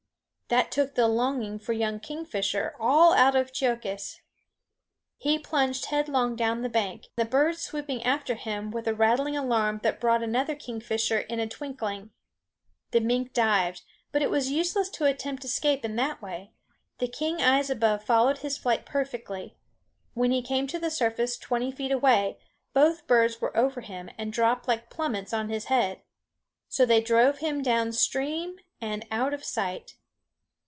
That took the longing for young kingfisher all out of Cheokhes. He plunged headlong down the bank, the bird swooping after him with a rattling alarm that brought another kingfisher in a twinkling. The mink dived, but it was useless to attempt escape in that way; the keen eyes above followed his flight perfectly. When he came to the surface, twenty feet away, both birds were over him and dropped like plummets on his head. So they drove him down stream and out of sight.